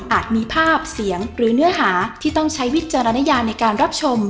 มีภาพเสียงหรือเนื้อหาที่ต้องใช้วิจารณญาในการรับชม